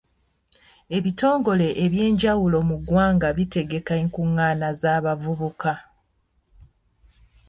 Ebitongole eby'enjawulo mu ggwanga bitegeka enkungaana z'abavubuka.